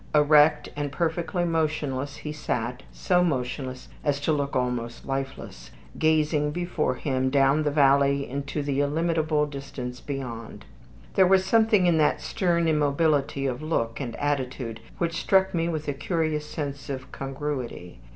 Erect and perfectly motionless he sat, so motionless as to look almost lifeless, gazing before him down the valley into the illimitable distance beyond. There was something in that stern immobility of look and attitude which struck me with a curious sense of congruity.